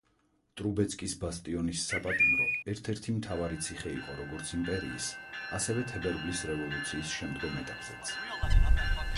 ტრუბეცკის ბასტიონის საპატიმრო ერთ-ერთი მთავარი ციხე იყო როგორც იმპერიის, ასევე თებერვლის რევოლუციის შემდგომ ეტაპზეც.